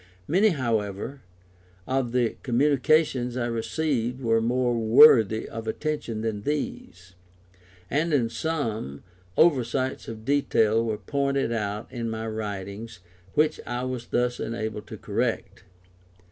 Many, however, of the communications I received were more worthy of attention than these, and in some, oversights of detail were pointed out in my writings, which I was thus enabled to correct.